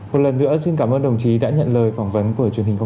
một lần nữa xin cảm ơn đồng chí đã nhận lời phỏng vấn của truyền hình công an